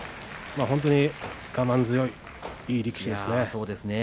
本当に我慢強いいい力士ですね。